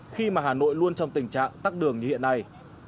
khi mà hà nội luôn trong tình trạng tắt đường như hiện nay